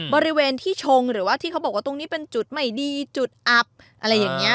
บริเวณที่ชงหรือว่าที่เขาบอกว่าตรงนี้เป็นจุดไม่ดีจุดอับอะไรอย่างนี้